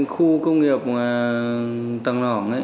khu công nghiệp tầng nỏng